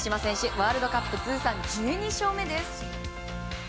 ワールドカップ通算１２勝目です。